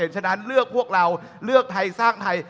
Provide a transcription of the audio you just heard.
ฉะนั้นเลือกพวกเราเลือกไทยสร้างไทย